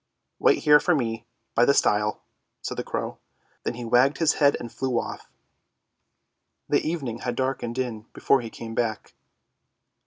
" Wait here for me by the stile," said the crow, then he wagged his head and flew off. The evening had darkened in before he came back.